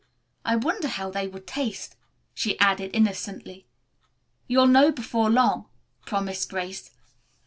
I wonder how they would taste," she added innocently. "You'll know before long," promised Grace.